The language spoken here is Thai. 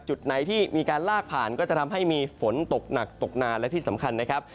จุดไหนที่มีการลากผ่านก็จะทำให้มีฝนตกหนักตกนานและที่สำคัญนะครับ